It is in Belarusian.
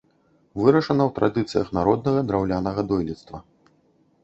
Вырашана ў традыцыях народнага драўлянага дойлідства.